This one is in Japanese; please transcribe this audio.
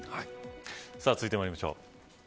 続いてまいりましょう。